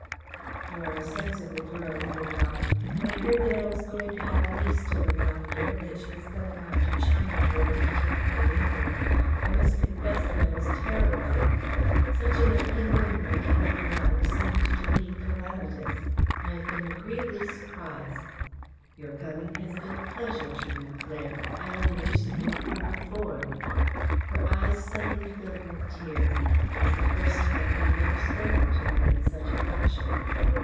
"You are a sensible girl," he went on. "When I heard that I was going to have a niece to look after and that she was coming out to China for me to take her to England, I must confess that I was terrified. Such an upheaval in my daily life seemed to me calamitous. I have been agreeably surprised. Your coming has been a pleasure to me, Claire. I only wish that you had come before." Her eyes suddenly filled with tears. It was the first time he had ever spoken to her in such a fashion.